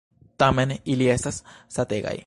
Tamen, ili estas sategaj.